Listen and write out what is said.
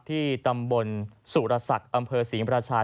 ที่ตำบลสุรศักดิ์อำเภอศรีมราชา